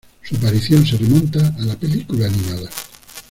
Su aparición se remonta a la película animada.